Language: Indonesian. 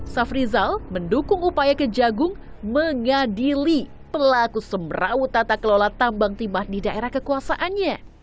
safrizal mendukung upaya kejagung mengadili pelaku semrau tata kelola tambang timah di daerah kekuasaannya